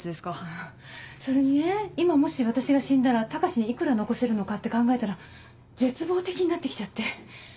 うんそれにね今もし私が死んだら高志に幾ら残せるのかって考えたら絶望的になって来ちゃって。